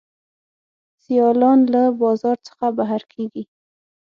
سیالان له بازار څخه بهر کیږي.